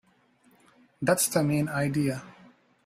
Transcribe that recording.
That's the main idea.